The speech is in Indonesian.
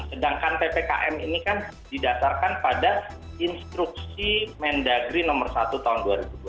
sedangkan ppkm ini kan didasarkan pada instruksi mendagri nomor satu tahun dua ribu dua puluh